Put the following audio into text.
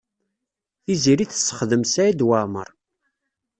Tiziri tessexdem Saɛid Waɛmaṛ.